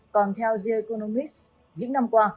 còn theo the economist những năm qua